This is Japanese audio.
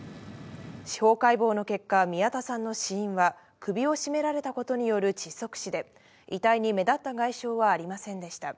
司法解剖の結果、宮田さんの死因は、首を絞められたことによる窒息死で、遺体に目立った外傷はありませんでした。